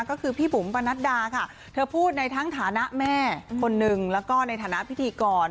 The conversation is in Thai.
ก็คือพี่บุ๋มปนัดดาค่ะเธอพูดในทั้งฐานะแม่คนหนึ่งแล้วก็ในฐานะพิธีกร